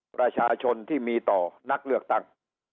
ประชาชนที่มีต่อนักเลือกตั้ง